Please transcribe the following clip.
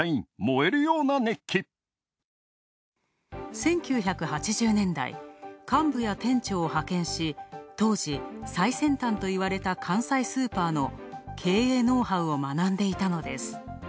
１９８０年代、幹部や店長を派遣し、当時、最先端といわれた関西スーパーの経営のノウハウを学んでいたのです。